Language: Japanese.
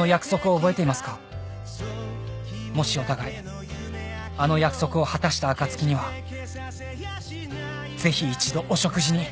「もしお互いあの約束を果たした暁には是非一度お食事に」